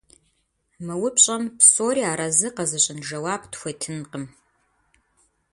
Мы упщӀэм псори арэзы къэзыщӀын жэуап тхуетынкъым.